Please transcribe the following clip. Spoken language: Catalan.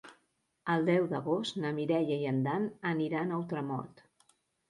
El deu d'agost na Mireia i en Dan aniran a Ultramort.